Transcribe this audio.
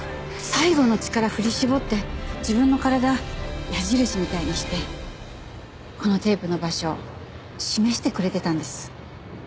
最後の力振り絞って自分の体矢印みたいにしてこのテープの場所示してくれてたんです。